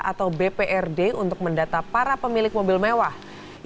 atau bprd untuk mendata para pemilik mobil mewah